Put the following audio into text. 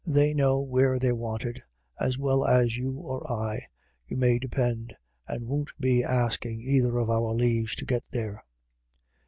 They know where they're wanted as 1 68 IRISH IDYLLS. well as you or I, you may depend, and won't be asking either of our leaves to get there."